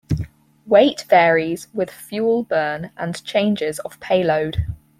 Weight varies with fuel burn and changes of payload.